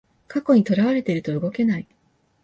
過去にとらわれてると動けない